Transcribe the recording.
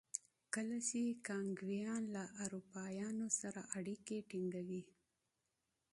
کله چې کانګویان له اروپایانو سره اړیکې ټینګوي.